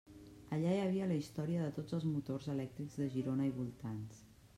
Allà hi havia la història de tots els motors elèctrics de Girona i voltants.